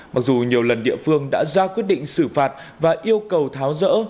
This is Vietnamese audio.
mặc dù nhiều lần địa phương đã ra quyết định xử phạt và yêu cầu tháo rỡ